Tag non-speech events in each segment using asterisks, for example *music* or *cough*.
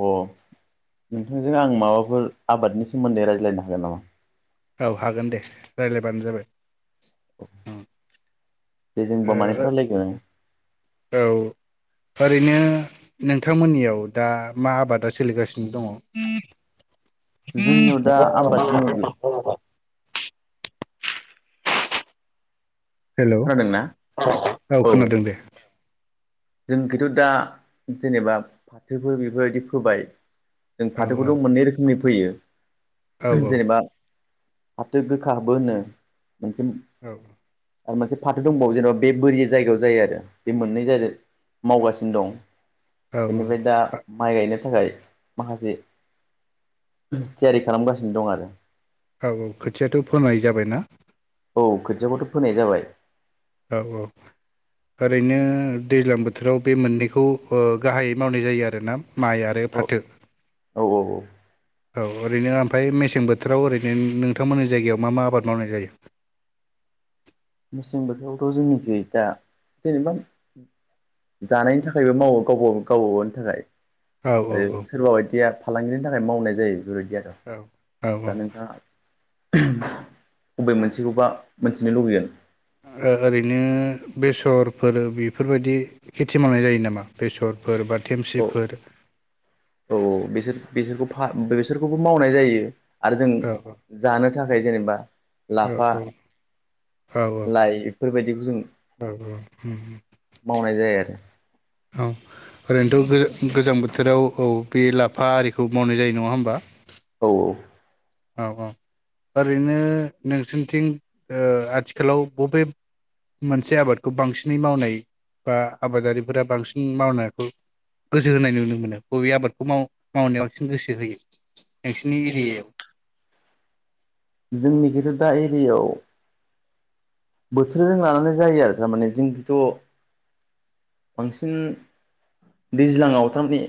अ नोंथांजों आं माबाफोर आबादनि सोमोन्दै रायज्लायनो हागोन नामा औ हागोन दे रायज्लायबानो जाबाय *inaudible* दे जों होनबा ओ मानिखौ रालायलोगोन औ ओरैनो जोंनियाव दा आबादनि हेल' खोनादोंना औ खोनादों दे जोंखौथ' दा जेनेबा फाथोफोर बेफोरबायदि फोबाय जों औ औ फाथोखौथ' मोननै रोखोमनि फैयो औ औ जेनेबा फाथो गोखाबो होनो *unintelligible* औ आरो मोनसे फाथो दंबावो जेनेबा बे बोरि जायगायाव जायो आरो बे मोननै जादो मावगासिनो दं बेनिफ्राय दा औ माइ गायनो थाखाय माखासे थियारि खालामगासिनो दं आरो औ औ खोथियाथ' फोरमनाय जाबायना औ खोथियाखौथ' फोनाय जाबाय। औ औ ओरैनो दैज्लां बोथोराव बे मोननैखौ ओ गाहाइयै मावनाय जायो आरोना। माइ आरो औ फाथो। औ औ औ औ ओरैनो ओमफ्राय मेसें बोथोराव ओरैनो नोंथांमोननि जायगायाव मा मा आबाद मावनाय जायो? मेसें बोथोरावथ' जोंनिखै दा जेनेबा जानायनि थाखायबो मावो गावब' गावबागावनि थाखाय। औ औ आरो औ सोरबा बायदिया फालांगिनि थाखाय मावनाय जायो बेफोरबादि, बिदि आरो औ औ औ दा नोंथाङा उहुम अबे मोनसेखौबा मोनथिनो लुबैगोन? ओ ओरैनो बेसरफोर बेफोरबायदि खेथि मावनाय जायो नामा? बेसर, फोर बा औ थेमसिफोर बेसोरखौ फा बेसोरखौबो मावनाय जायो। आरो जों औ जानो था थाखाय जेनेबा औ लाफा लाइ बेफोरबायदि जों औ औ उम मावनाय जायो आरो औ ओरैनोथ' बे गोजां बोथोराव औ बे लाफा आरिखौ मावनाय जायो नङा होमबा? औ औ। औ औ। ओरैनो नोंसोरथिं ओ आथिखालाव बबे मोनसे आबादखौ बांसिनै मावनाय बा आबादारिफोरा बांसिन मावनायखौ गोसो होनाय नुनो मोनो? बबे आबादखौ माव मावनायाव बांसिन गोसो होयो नोंसिनि एरियायाव? जोंनिखैथ' दा एरियायाव बोथोरजों लानानै जायो आरो थारमाने जोंखैथ' बांसिन दैज्लाङाव थारमाने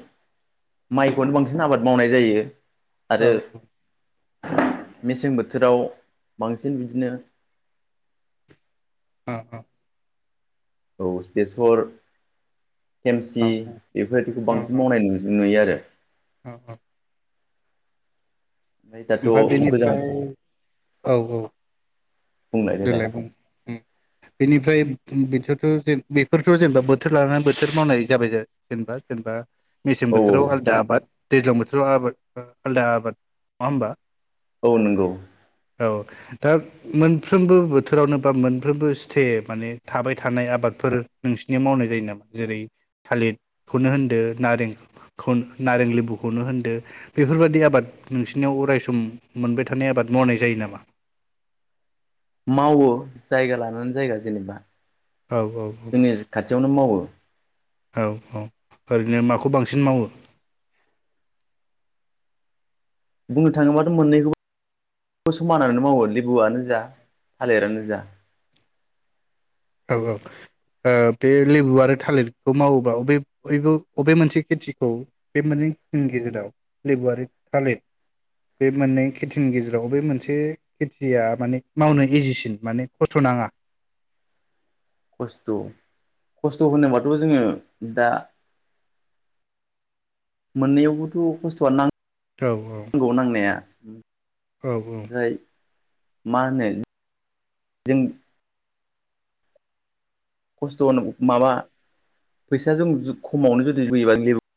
माइखौनो बांसिन आबाद मावनाय जायो। औ आरो औ। मेसें बोथोराव बांसिन बिदिनो ओ ओ। औ बेसर औ खेमसि बेफोरबायदिखौ औ बांसिन मावनाय नुयो आरो। औ औ। दाथ' ओमफ्राय गोजां बेनिफ्राय औ औ देलाय औ ओम बेनिफ्राय बेखौथ' बेफोरथ' जेनेबा बोथोर लानानै बोथोर मावनाय जाबाय जेनेबा जेनेबा मेसें औ बोथोराव आलदा आबाद दैज्लां बोथोराव आबाद आलदा आबाद नङा होमबा? औ नोंगौ। औ दा मोन मोनफ्रोमबो बोथोरावनो बा मोनफ्रोमबो स्टे माने थाबाय थानाय आबादफोर नोंसिनियाव मावनाय जायो नामा? जेरै थालिरखौनो होनदो नारेंखौ नारें लेबुखौनो होनदो बेफोरबादि आबाद नोंसिनियाव अराय सम मोनबाय थानाय आबाद मावनाय जायो नामा? मावो जायगा लानानै जायगा जेनेबा औ औ औ। जोंनि खाथियावनो मावो। औ औ ओरैनो माखौ बांसिन मावो? बुंनो थाङोबाथ' मोननैखौ समानानानै मावो लेबुआनो जा थालिरानो जा। औ औ ओ बे लेबु आरो थालिरखौ मावोबा बबे बबो बबे मोनसे खेथिखौ बे मोननै खेथिनि गेजेराव लेबुआरो थालिर बे मोननै खेथिनि गेजेराव बबे मोनसे खेथिया माने मावनो इजिसिन माने खस्थ' नाङा। खस्थ' खस्थ' होनोबाथ' जोङो दा मोननैयावबोथ खस्थआनो नां औ नांगौ नांनाया। औ औ। ओमफ्राय मा होनो जों खस्थ'आ माबा फैसाजों जु खमावनो जुदि लुयोबा लेबु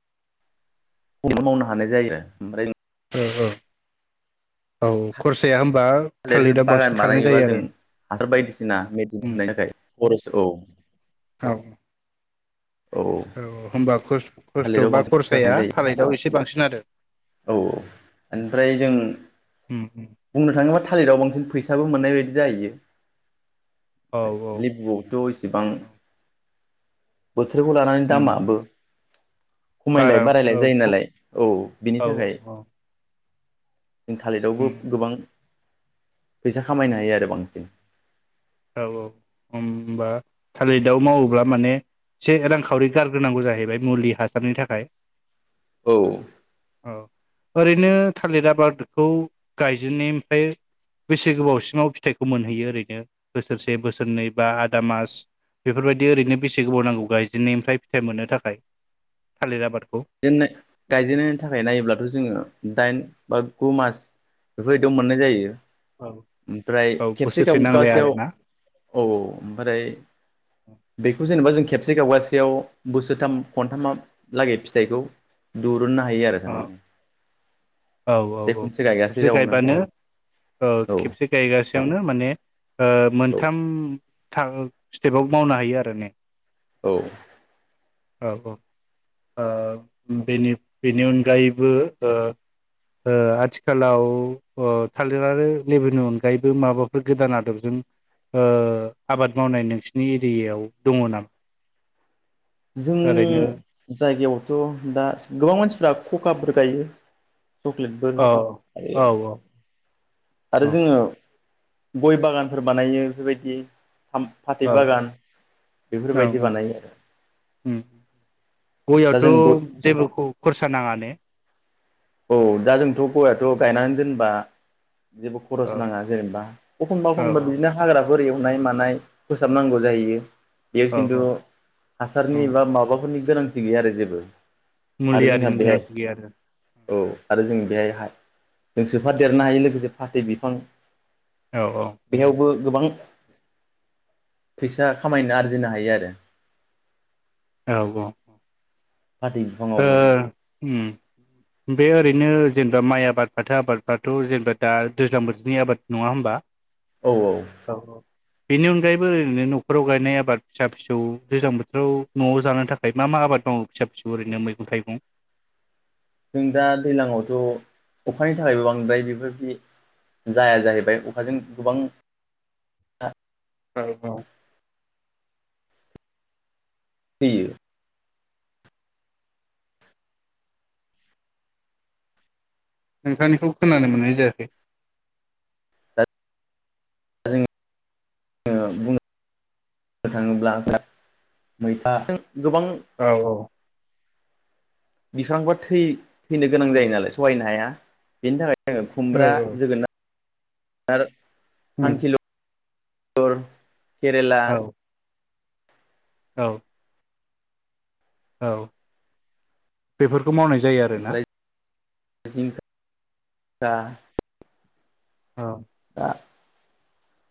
खनो मावनो हानाय जायो ओमफ्राय औ औ औ खरसाया होम बा थालिर थालिरा बांसिन खारनाय जायो आरो। सिना मेडिन उम होनायनि थाखाय। खरस औ। औ। औ होनोमबा खुस खस्थ थालिराव बा बांसिन खरसा थानाय खरसाया जायो थालेदाव एसे बांसिन आरो। औ ओमफ्राय जों उम। बुंनो थाङोब्ला थालिराव बांसिन फैसाबो मोननाय बायदि जाहैयो। औ ओमफ्राय औ लेबुआवथ' इसेबां बोथोरखौ लानानै उम दामाबो खमायलाय बारा बारायलाय जायो औ नालाय औ बिनि औ थाखाय जों थालिरावबो उम फैसा खामायनो हायो आरो बांसिन। औ औ होनबा थालिदाव मावोब्ला माने एसे रांखावरि गारग्रोनांगौ जाहैबाय मुलि हासारनि थाखाय। औ। औ ओरैनो थालिर आबादखौ गायजेननायनि ओमफ्राय बेसे गोबाव सिमाव फिथाइखौ मोनहैयो ओरैनो? बोसोरसे बोसोरनै बा आदा मास बेफोरबायदि ओरैनो बेसे गोबाव नांगौ गायजेननायनिफ्राय फिथाइ मोननो थाखाय थालिर आबादखौ? जेननाय गायजेननायनि थाखाय नायोब्लाथ'जोङो दाइन बा गु मास बेफोरबायदियाव मोननाय जाहैयो। औ ओमफ्राय औ खेबसे बोसोरसे नांलाया गावगासैयाव आरोना औ औ ओमफ्राय बेखौ जेनेबा जों खे खेबसे गावगासेयाव बोसोरथाम खनथामालागै फिथ फिथाइखौ दुर औ औ औ बे औ खनसे गायगासे खेबसे जावनो गायबानो औ खेबसे गायगासेयावनो माने ओह औ मोनथाम थाखो स्टेपावबो मावनो हायो आरो ने? औ। औ औ ओह बेनिफ बेनि अनगायैबो ओ ओ आथिखालाव ओ थालिर आरो लेबुनि अनगायैबो माबाफोर गोदान आदबजों ओह आबाद मावनाय नोंसिनि एरियायाव दङ नामा? ओरैनो जोंनि जायगायाव दा गोबां मानसिफ्रा ख'ख'आफोर गायो। चक्लेटफोर औ औ आरो आरो औ जोङो गय बागानफोर बानायो बेफोर बायदि फाथै औ बागान बेफोर बायदि बानायो आरो। दा जों गययावथ' जेबो खरसा नाङा *inaudible* औ दा जोंथ' गययाथ' गायनानै दोनबा जेबो औ खरस नाङा जेनेबा एखनबा औ एखनबा बिदिनो हाग्रा एवनाय मानाय फोसाबनांगौ जायो। बेयाव औ खिन्थु औ हासारनि बा माबाफोरनि गोनांथि गैया आरो जेबो। आरो मुलि जोंहा आरिनि बेहाय गोनांथि गैया आरो। औ आरो जों बेहाय जों सोफादेरनो हायो लोगोसे फाथै बिफां। औ औ। बेयावबो गोबां फैसा खामायनो आरजिनो हायो आरो। औ औ। फाथै ओ बिफाङावबो उम बे ओरै बिदिनो जेनेबा माइ आबाद फाथो आबादफ्राथ' जेनेबा दा दैज्लां बोथोरनि आबाद नङा होनोमबा? औ औ। बेनि अनगायैबो ओरैनो न'खराव गायनाय आबाद फिसा फिसौ गोजां बोथोराव न'आव जानो थाखाय मा मा आबाद मावङो फिसा फिसौ ओरैनो मैगं थाइगं जों दा दैज्लांआवथ' अखानि थाखायबो बांद्राय बेफोरबायदि जाया जाहैबाय अखाजों गोबां औ औ। थैयो। नोंथांनिखौ खोनानो मोननाय जायाखै। दा *unintelligible* बुंनो थाङोब्ला मैथा गोबां औ बिफांबा थै गोनां जायो नालाय सहायनो हाया। बेनि थाखाय औ खुमब्रा, औ जोगोनार आरो उम खांखिलर *inaudible* केरेला औ औ औ बेफोर खौ मावनाय जायो आरोना ओमफ्राय जिंखा *unintelligible* औ दा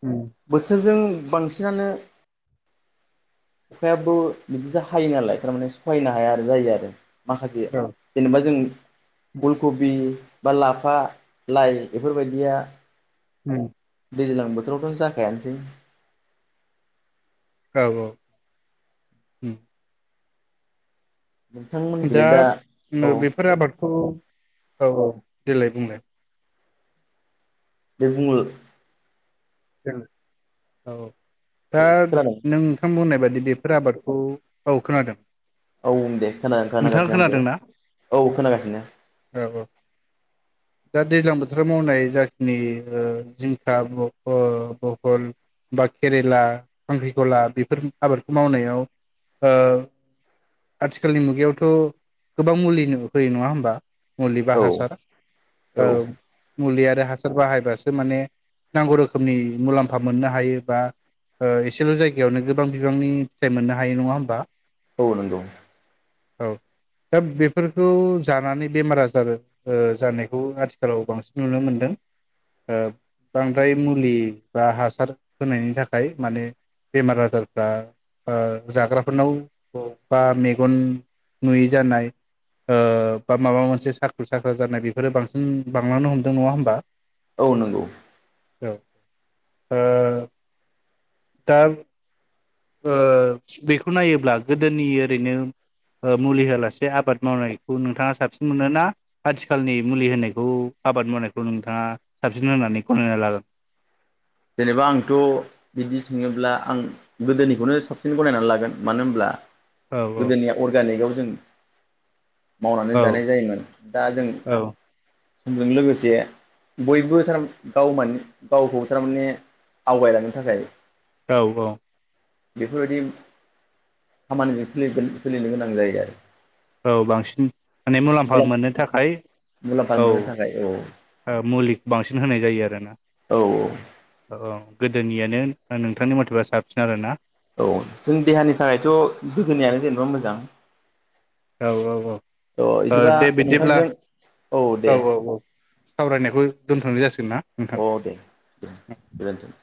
उम बोथोरजों बांसिनानो अखायाबो बिदिजा हायो नालाय थारमाने सहायनो हाया आरो जायो आरो माखासे औ जेनेबा जों फुलकबि बा लाफा लाइ बेफोरबायदिया हो दैज्लां बोथोरावथ' जाखायानोसै औ-औ नोंथांमोनखौलाय दा दाब औ नो बेफोर आबादखौ औ-औ देलाय बुंलाय दे बुंल औ दा खोनादों नोंथां होननाय बायदि बेफोर आबादखौ औ खोनादों औ दे खोना नोंथाङा खोनागासिनो आंबो खोनादोंना औ खोनागासिनो औ औ दा दैज्लां बोथोराव मावनाय जाखिनि ओ जिंखा ब हल बहल बा केरेला खांख्रिखला बेफोर आबादखौ मावनायाव ओ आथिखालनि मुगायावथ' गोबां मुलि होयो नंङा होमबा मुलि बा औ हासार औ मुलिया हासार बाहायबासो माने नांगौ रोखोमनि मुलाम्फा मोननो हायो बा ओ एसेल' जायगायावनो गोबां बिबांनि फिथाइ मोननो हायो नंङा होमबा औ नंगौ औ दा बेफोरखौ जानानै बेमार आजार ओ जानायखौ आथिखालाव बांसिन नुनो मोनदों ओ बांद्राय मुलि बा हासार होनायनि थाखाय माने बेमार आजारफ्रा ओ जाग्राफोरनाव औ बा मेगन नुयै जानाय ओ बा माबा मोनसे साख्रु साख्रा जानाय बेफोरो बांसिन बांलांनो हमदों नंङा होमबा औ नंगौ औ ओ दा ओ बेखौ नायोब्ला गोदोनि ओरैनो ओ मुलि होआलासे आबाद मावनायखौ नोंथांङा साबसिन मोनो ना आथिखालनि मुलि होनायखौ आबाद मावनायखौ नोंथांङा साबसिन होननानै गनायना लागोन जेनेबा आंथ' बिदि सोंङोब्ला आं गोदोनिखौनो साबसिन गनायनानै लागोन मानो होनब्ला औ गोदोनिया अरगानिग आव जों मावनानै औ जानाय जायोमोन दा जों। औ समजों लोगोसे बयबो थार गाव मान गावखौ। थारमाने आवगायलांनो थाखाय। औ औ। बेफोरबायदि खामानिजों सोलिगोन सोलिगोन सोलिनो गोनां जायो आरो। औ बांसिन माने मुलाम्फा मोननो थाखाय मुलाम्फा मोननो थाखाय औ मुलि। बांसिन होनाय जायो आरो ना। औ औ। गोदोनियानो नोंथांनि मथेबा साबसिन आरो ना। औ जोंनि देहानि थाखायथ' गोदोनियानो जेने बोमोजां। औ औ औ। अ बिदिबा दे बिदिब्ला नोंथांजों औ दे् औ औ सावरायनायखौ दोनथ'नाय जासिगोन ना। नोंथां? अ दे दे गोजोनथों।